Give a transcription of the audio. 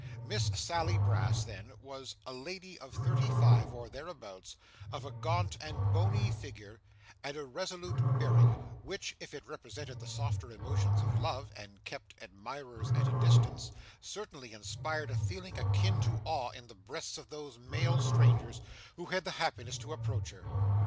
Miss Sally Brass, then, was a lady of thirty five or thereabouts, of a gaunt and bony figure, and a resolute bearing, which if it repressed the softer emotions of love, and kept admirers at a distance, certainly inspired a feeling akin to awe in the breasts of those male strangers who had the happiness to approach her.